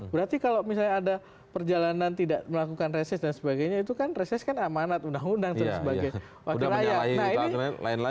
berarti kalau misalnya ada perjalanan tidak melakukan reses dan sebagainya itu kan reses kan amanat undang undang dan sebagainya